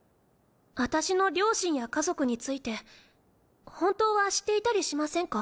私の両親や家族について本当は知っていたりしませんか？